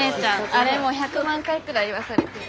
あれもう１００万回くらい言わされてる。